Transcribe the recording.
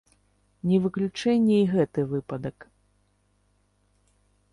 Не выключэнне і гэты выпадак.